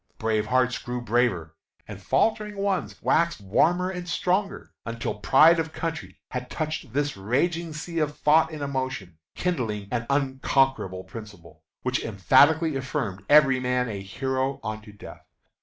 Brave hearts grew braver, and faltering ones waxed warmer and stronger, until pride of country had touched this raging sea of thought and emotion, kindling an unconquerable principle, which emphatically affirmed every man a hero unto death.